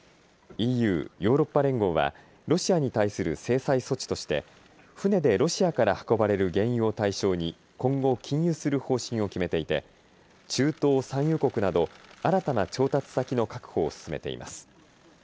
ＥＵ・ヨーロッパ連合はロシアに対する制裁措置として船でロシアから運ばれる原油を対象に今後、禁輸する方針を決めていて中東・産油国など新たな調達先の確保を進めています。